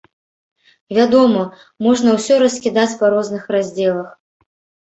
Вядома, можна ўсё раскідаць па розных раздзелах.